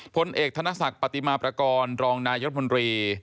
ผลเอกธนศักดิ์ปฏิมาประกอบรองนายรัฐมนตรี